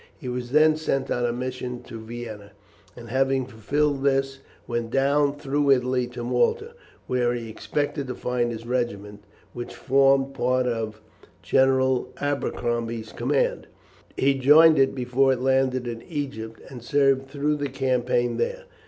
He was then sent on a mission to Vienna, and having fulfilled this, went down through Italy to Malta, where he expected to find his regiment, which formed part of General Abercrombie's command. He joined it before it landed in Egypt, and served through the campaign there.